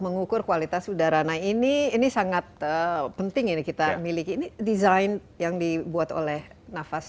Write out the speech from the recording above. mengukur kualitas udara nah ini ini sangat penting ini kita miliki ini desain yang dibuat oleh nafas